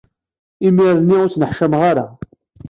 Imir-nni, ur ttneḥcameɣ ara.